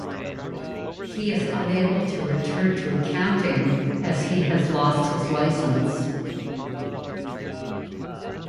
He is unable to return to accounting as he has lost his license.